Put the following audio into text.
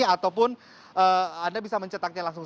ataupun anda bisa mencetaknya langsung